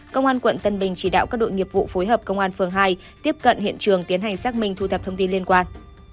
công an tp hcm chỉ đạo các đội nghiệp vụ phối hợp công an tp hcm tiếp cận hiện trường tiến hành xác minh thu thập thông tin liên quan